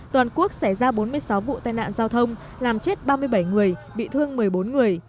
toàn quốc xảy ra bốn mươi sáu vụ tai nạn giao thông làm chết ba mươi bảy người bị thương một mươi bốn người